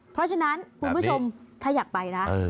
เพราะฉะนั้นคุณผู้ชมถ้าอยากไปนะ